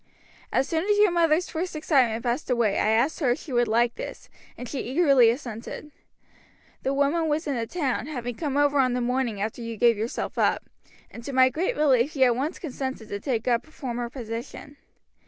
"As soon as your mother's first excitement passed away I asked her if she would like this, and she eagerly assented. The woman was in the town, having come over on the morning after you gave yourself up, and to my great relief she at once consented to take up her former position.